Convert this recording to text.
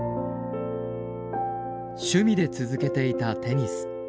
趣味で続けていたテニス。